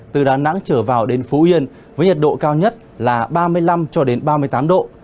từ đà nẵng trở vào đến phú yên với nhiệt độ cao nhất là ba mươi năm cho đến ba mươi tám độ